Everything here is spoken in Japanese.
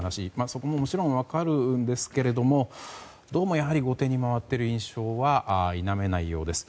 そこももちろん分かるんですがどうも後手に回っている印象は否めないようです。